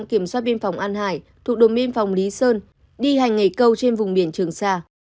tàu kiểm soát biên phòng an hải thủ đô biên phòng lý sơn đi hành ngày câu trên vùng biển trường sa